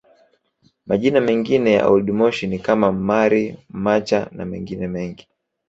Majina mengine ya Old Moshi ni kama Mmari Macha na mengine mengi